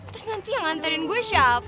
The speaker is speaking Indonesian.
terus nanti yang nganterin gue chef